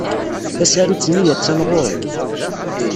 Tasarut-nni attan ɣur-i.